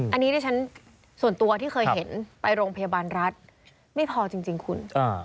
อันนี้ดิฉันส่วนตัวที่เคยเห็นไปโรงพยาบาลรัฐไม่พอจริงคุณ